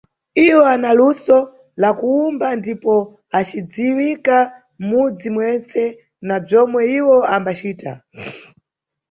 Iwo ana luso la kuwumba ndipo acidziwika mʼmudzi mwentse na bzomwe iwo ambacita.